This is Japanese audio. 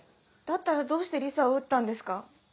だったらどうしてリサを撃ったんですか？